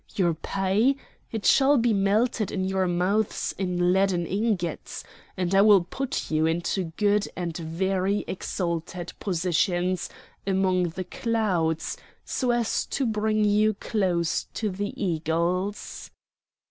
Your pay? it shall be melted in your mouths in leaden ingots! and I will put you into good and very exalted positions among the clouds, so as to bring you close to the eagles!"